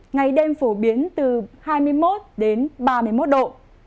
ngày đêm phổ biến từ hai mươi một đến ba mươi một độ